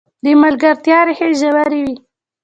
د ملګرتیا ریښې ژورې وي.